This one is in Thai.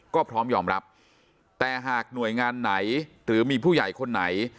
ก็พร้อมยอมรับแต่หากหน่วยงานไหนหรือมีผู้ใหญ่คนไหน